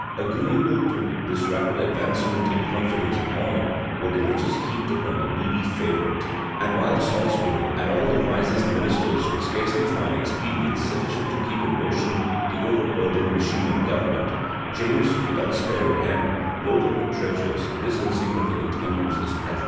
Agreeable to this rapid advancement in confidence and honor, were the riches heaped upon the needy favorite; and while Salisbury and all the wisest ministers could scarcely find expedients sufficient to keep in motion the overburdened machine of government, James, with unsparing hand, loaded with treasures this insignificant and useless pageant.